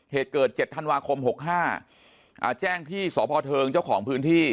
เหตุเกิด๗ธันวาคม๖๕แจ้งที่สพเทิงเจ้าของพื้นที่